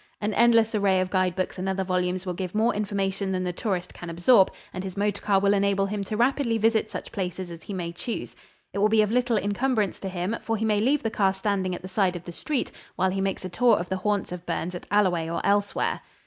An endless array of guide books and other volumes will give more information than the tourist can absorb and his motor car will enable him to rapidly visit such places as he may choose. It will be of little encumbrance to him, for he may leave the car standing at the side of the street while he makes a tour of the haunts of Burns at Alloway or elsewhere.